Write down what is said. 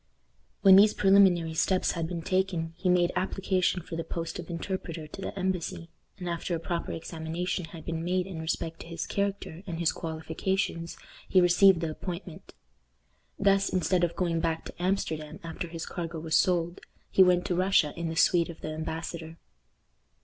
When these preliminary steps had been taken, he made application for the post of interpreter to the embassy; and after a proper examination had been made in respect to his character and his qualifications, he received the appointment. Thus, instead of going back to Amsterdam after his cargo was sold, he went to Russia in the suite of the embassador.